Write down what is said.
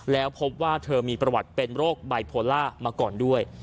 แล้วพบว่าเธอมีประวัติเป็นโรคไบโพล่ามาก่อนด้วย